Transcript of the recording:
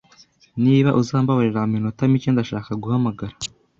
Niba uzambabarira muminota mike, ndashaka guhamagara.